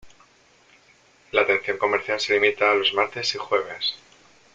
La atención comercial se limita a los martes y jueves.